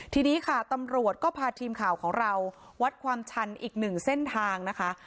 ทีนี้ค่ะตำรวจก็พาทีมข่าวของเราวัดความชันอีกหนึ่งเส้นทางนะคะ